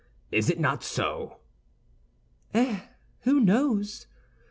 Is it not so?" "Eh, who knows?